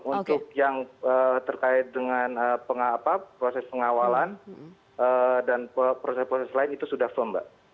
untuk yang terkait dengan proses pengawalan dan proses proses lain itu sudah firm mbak